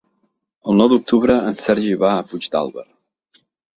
El nou d'octubre en Sergi va a Puigdàlber.